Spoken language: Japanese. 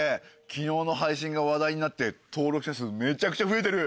昨日の配信が話題になって登録者数めちゃくちゃ増えてる！